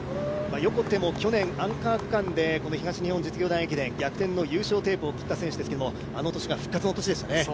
横手も去年アンカー区間でこの東日本実業団駅伝、逆転の優勝テープを切りましたが、あの年が復活の年でしたね。